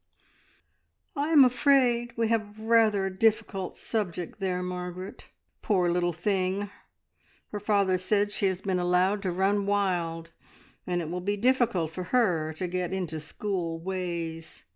"I am afraid we have rather a difficult subject there, Margaret! Poor little thing! Her father says she has been allowed to run wild, and it will be difficult for her to get into school ways.